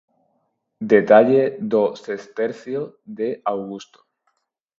Detalle do Sestercio de Augusto.